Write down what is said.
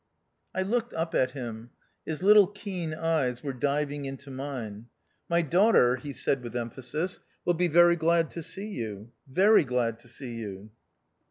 I looked up at him. His little keen eyes were diving into mine. " My daughter," he said with emphasis, "will be very glad to see you ; very glad to see you."